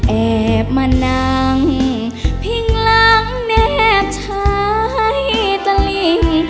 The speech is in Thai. แอบมานั่งพิ่งหลังแนบชายตะลิง